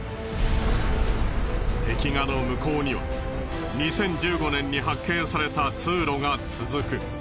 壁画の向こうには２０１５年に発見された通路が続く。